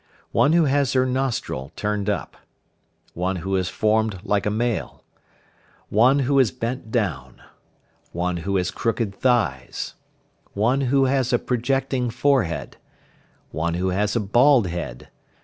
One who has her nostril turned up. One who is formed like a male. One who is bent down. One who has crooked thighs. One who has a projecting forehead. One who has a bald head.